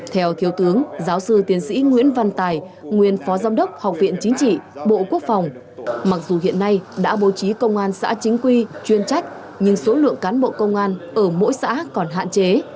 theo thiếu tướng giáo sư tiến sĩ nguyễn văn tài nguyên phó giám đốc học viện chính trị bộ quốc phòng mặc dù hiện nay đã bố trí công an xã chính quy chuyên trách nhưng số lượng cán bộ công an ở mỗi xã còn hạn chế